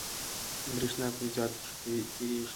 برېښنا په فلزاتو کې ښه تېرېږي.